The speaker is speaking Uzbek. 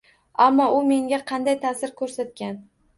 Ammo u menga qanday ta’sir ko’rsatgan.